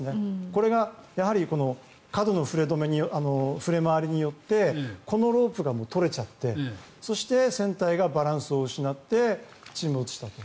これがやはり過度の触れ回りによってこのロープが取れちゃってそして、船体がバランスを失って沈没したと。